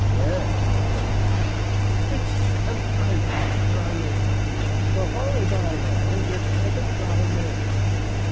"Where?" said I. "It's an island, where I live. So far as I know, it hasn't got a name."